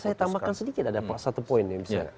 boleh saya tambahkan sedikit ada pak satu poin nih